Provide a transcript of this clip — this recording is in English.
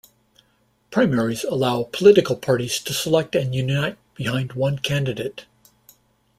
Primaries allow political parties to select and unite behind one candidate.